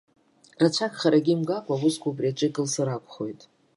Рацәак харагьы имгакәа, аусқәа убри аҿы икылсыр акәхоит.